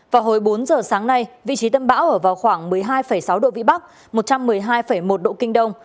vào hồi bốn giờ sáng nay vị trí tâm bão ở vào khoảng một mươi hai sáu độ vĩ bắc một trăm một mươi hai một độ kinh đông